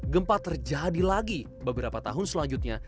gempa terjadi lagi beberapa tahun selanjutnya